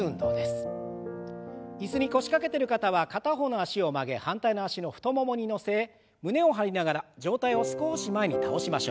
椅子に腰掛けてる方は片方の脚を曲げ反対の脚の太ももに乗せ胸を張りながら上体を少し前に倒しましょう。